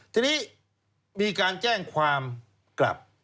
ทีนี้มีการแจ้งความกลับ